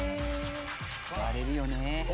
割れるよね。